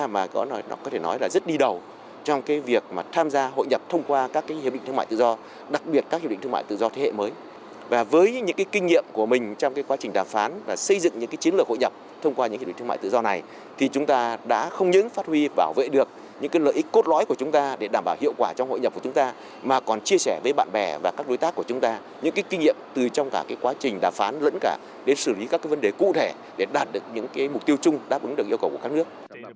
với những kinh nghiệm của mình trong quá trình đàm phán và xây dựng những chiến lược hội nhập thông qua những hiệp định thương mại tự do này thì chúng ta đã không những phát huy bảo vệ được những lợi ích cốt lõi của chúng ta để đảm bảo hiệu quả trong hội nhập của chúng ta mà còn chia sẻ với bạn bè và các đối tác của chúng ta những kinh nghiệm từ trong quá trình đàm phán lẫn cả đến xử lý các vấn đề cụ thể để đạt được những mục tiêu chung đáp ứng được yêu cầu của các nước